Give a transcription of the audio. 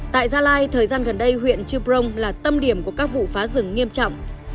tại gia lai thời gian gần đây huyện chư prong là tâm điểm của các vụ phá rừng nghiêm trọng